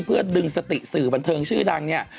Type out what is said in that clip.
เพื่อดึงสติสื่อบันเทิงชื่อดังเนี่ย